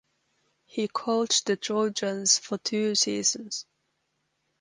He coached the Trojans for two seasons.